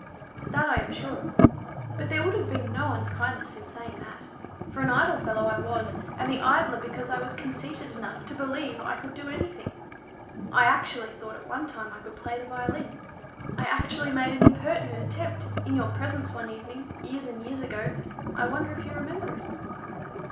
"That I am sure of. But there would have been no unkindness in saying that; for an idle fellow I was, and the idler because I was conceited enough to believe I could do any thing. I actually thought at one time I could play the violin. I actually made an impertinent attempt in your presence one evening, years and years ago, I wonder if you remember it."